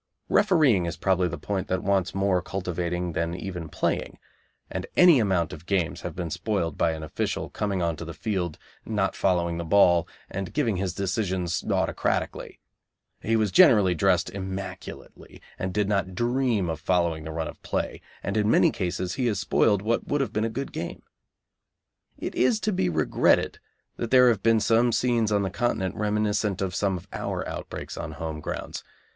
Refereeing is probably the point that wants more cultivating than even playing, and any amount of games have been spoiled by an official coming on to the field, not following the ball, and giving his decisions autocratically. He was generally dressed immaculately, and did not dream of following the run of play, and in many cases he has spoiled what would have been a good game. It is to be regretted that there have been some scenes on the Continent reminiscent of some of our outbreaks on home grounds.